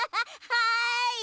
はい。